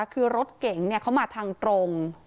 คือรถเก่งเขามาทางตรง